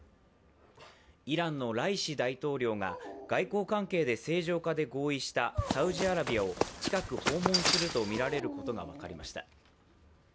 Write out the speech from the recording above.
イランのライシ大統領が外交関係で正常化で合意したサウジアラビアを近く訪問するとみられることが分かりました。